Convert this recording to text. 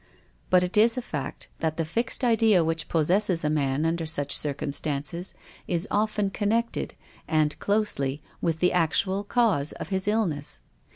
But it is a fact that the fixed idea which possesses a man under such circum stances is often connected, and closely, with the actual cause of his illness.